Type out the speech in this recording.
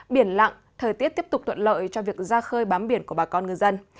biển lặng thời tiết tiếp tục tuận lợi cho việc ra khơi bám biển của bà con ngư dân